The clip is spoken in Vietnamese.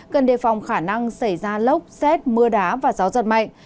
cần đề phòng khả năng xảy ra lốc xét mưa đá và gió giật mạnh